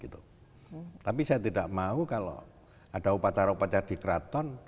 tapi saya tidak mau kalau ada upacara upacara di keraton